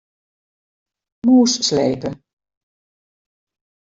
Mûs slepe.